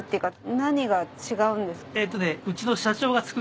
何が違うんですか？